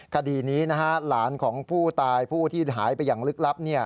คดีนี้หลานของผู้ตายผู้ที่หายไปอย่างลึกลับ